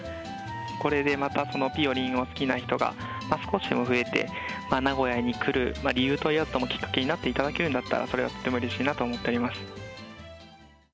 これでまたぴよりんを好きな人が少しでも増えて、名古屋に来る理由といわずとも、きっかけになってくれるんだったら、それは、とってもうれしいなと思っております。